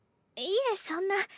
いえそんな。